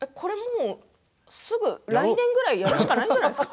すぐ来年ぐらいにやるしかないんじゃないですか？